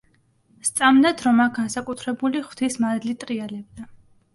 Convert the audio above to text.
სწამდათ, რომ აქ განსაკუთრებული ღვთის მადლი ტრიალებდა.